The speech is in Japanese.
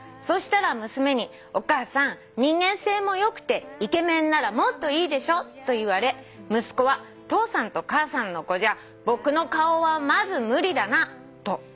「そうしたら娘に『お母さん人間性も良くてイケメンならもっといいでしょ』と言われ息子は『父さんと母さんの子じゃ僕の顔はまず無理だな』と」